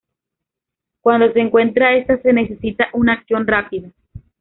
Cuando se encuentra esta, se necesita una acción rápida.